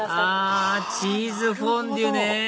あチーズフォンデュね！